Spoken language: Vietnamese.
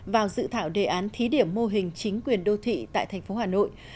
vào dự thảo đề án thí điểm mô hình chính quyền đô thị tại thành phố hà nội